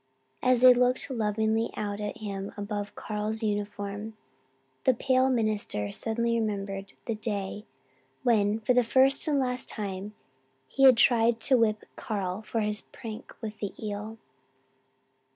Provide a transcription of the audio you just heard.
As they looked lovingly out at him above Carl's uniform the pale minister suddenly remembered the day when for the first and last time he had tried to whip Carl for his prank with the eel.